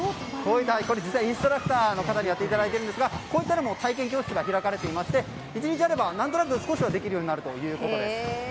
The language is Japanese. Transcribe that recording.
実はインストラクターの方にやっていただいているんですが体験教室が開かれていまして１日あれば何となく少しはできるようになるということです。